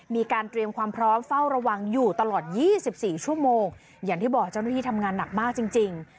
มีการเตรียมความพร้อมเฝ้าระวังอยู่ตลอด๒๔ชั่วโมงอย่างที่บอกเจ้าหน้าที่ทำงานหนักมากจริง